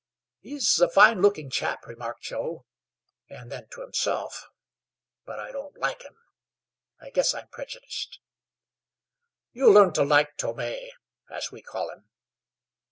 "He's a fine looking chap," remarked Joe, and then to himself: "but I don't like him. I guess I'm prejudiced." "You'll learn to like Tome, as we call him."